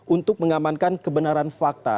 untuk mengamankan kebenaran fakta